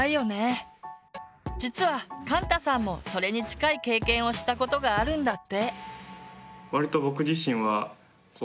実はかんたさんもそれに近い経験をしたことがあるんだって。